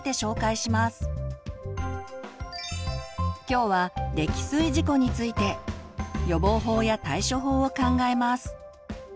今日は「溺水事故」について予防法や対処法を考えます。